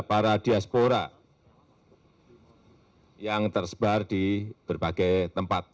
para diaspora yang tersebar di berbagai tempat